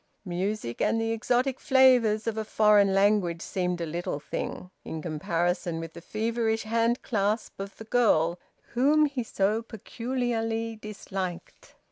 Music and the exotic flavours of a foreign language seemed a little thing, in comparison with the feverish hand clasp of the girl whom he so peculiarly disliked.